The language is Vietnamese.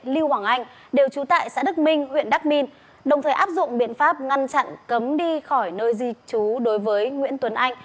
lưu hoàng anh đều trú tại xã đức minh huyện đắc minh đồng thời áp dụng biện pháp ngăn chặn cấm đi khỏi nơi di trú đối với nguyễn tuấn anh